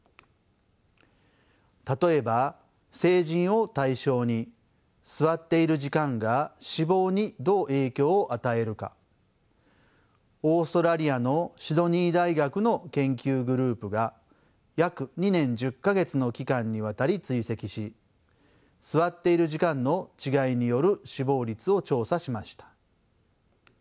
例えば成人を対象に座っている時間が死亡にどう影響を与えるかオーストラリアのシドニー大学の研究グループが約２年１０か月の期間にわたり追跡し座っている時間の違いによる死亡率を調査しました。